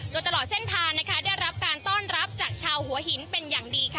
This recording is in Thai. โดยตลอดเส้นทางนะคะได้รับการต้อนรับจากชาวหัวหินเป็นอย่างดีค่ะ